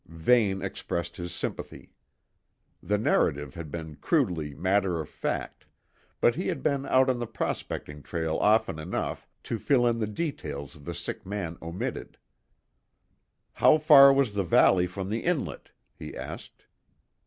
Vane expressed his sympathy. The narrative has been crudely matter of fact, but he had been out on the prospecting trail often enough to fill in the details the sick man omitted. "How far was the valley from the inlet?" he asked.